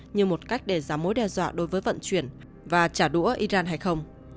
như một cách để giảm mối đe dọa đối với vận chuyển và trả đũa iran hay không